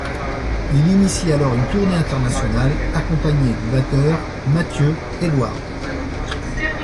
Il initie alors une tournée internationale, accompagné du batteur Mathieu Edward.